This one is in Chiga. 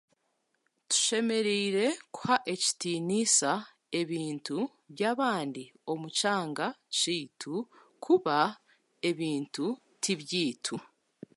Tushemereire kuha ekitiniisa ebintu by'abandi omu kyanga kyaitu kuba ebintu tibyaitu